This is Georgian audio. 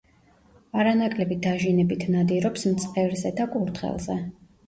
არანაკლები დაჟინებით ნადირობს მწყერზე და კურდღელზე.